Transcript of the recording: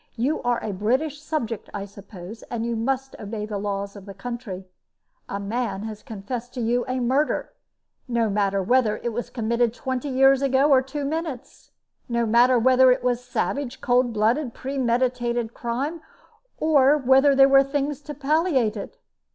"You are a British subject, I suppose, and you must obey the laws of the country. A man has confessed to you a murder no matter whether it was committed twenty years ago or two minutes; no matter whether it was a savage, cold blooded, premeditated crime, or whether there were things to palliate it.